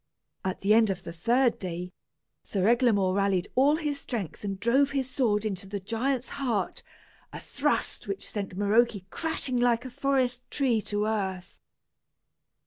At the end of the third day, Sir Eglamour rallied all his strength and drove his sword into the giant's heart, a thrust which sent Maroke crashing like a forest tree to earth.